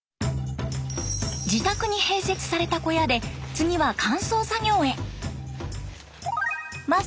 自宅に併設された小屋で次は乾燥作業へ。